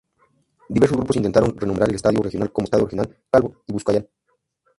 Diversos grupos intentaron renombrar el Estadio Regional como Estadio Regional Calvo y Bascuñán.